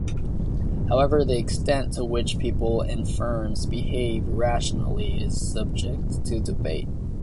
However, the extent to which people and firms behave rationally is subject to debate.